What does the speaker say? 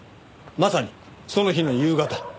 まさにその日の夕方。